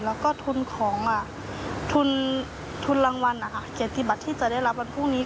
แล้วก็ทุนรางวัลเกี่ยวกับที่จะได้รับพรุ่งนี้